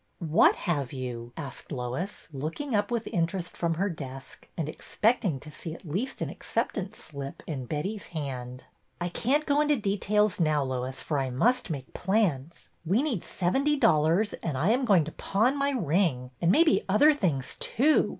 What have you? " asked Lois, looking up with interest from her desk, and expecting to see at least an acceptance slip in Betty's hand. I can't go into details now, Lois, for I must make plans. We need seventy dollars, and I am going to pawn my ring, and maybe other things, too.